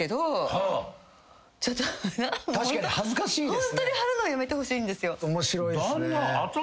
ホントに貼るのやめてほしいんですよ！